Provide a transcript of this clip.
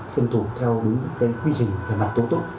phân thủ theo đúng cái quy trình về mặt tổ tụng